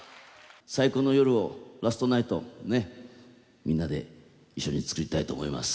最高の夜をラストナイトをね、みんなで一緒に作りたいと思います。